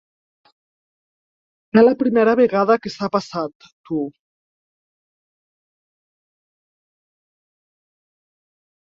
És la primera vegada que s'ha passat, tu.